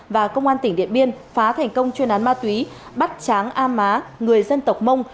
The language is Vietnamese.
và công an tỉnh điện biên phá thành công chuyên án ma túy bắt giàng thị sông dân tộc mông